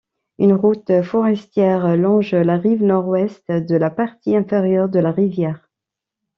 Une route forestière longe la rive Nord-Ouest de la partie inférieure de la rivière.